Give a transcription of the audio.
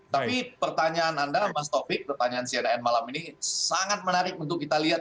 tapi pertanyaan anda mas taufik pertanyaan cnn malam ini sangat menarik untuk kita lihat